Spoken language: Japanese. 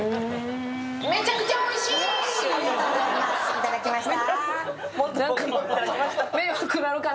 いただきました。